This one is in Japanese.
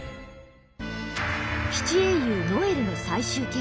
七英雄ノエルの最終形態。